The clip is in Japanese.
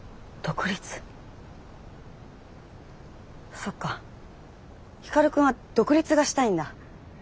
そっか光くんは独立がしたいんだ。